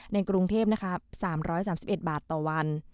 ในกรุงเทพ๓๓๑บาทต่อวัน